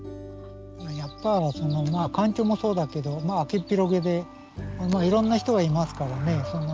やっぱ環境もそうだけど開けっぴろげでいろんな人がいますからね。